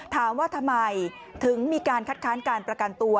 ถามว่าทำไมถึงมีการคัดค้านการประกันตัว